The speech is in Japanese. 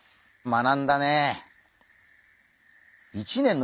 学んだね。